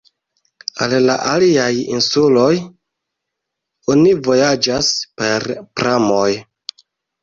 Al la aliaj insuloj oni vojaĝas per pramoj.